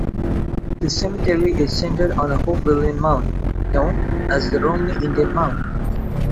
The cemetery is centered on a Hopewellian mound, known as the Romney Indian Mound.